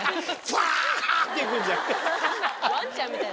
ブワって行くんじゃない？